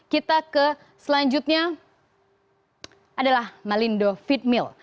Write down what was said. kita ke selanjutnya adalah malindo feed mill